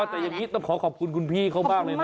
แต่อย่างนี้ต้องขอขอบคุณคุณพี่เขามากเลยนะ